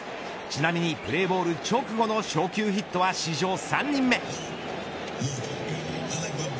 ちなみにプレーボール直後の初球ヒットは史上３人目。